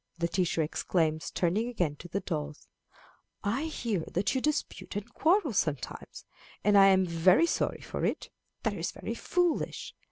the teacher exclaims, turning again to the dolls. "I hear that you dispute and quarrel sometimes, and I am very sorry for it. That is very foolish.